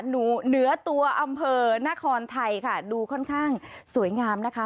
เหนือตัวอำเภอนครไทยค่ะดูค่อนข้างสวยงามนะคะ